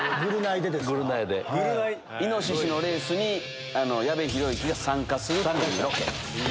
イノシシのレースに矢部浩之が参加するっていうロケ。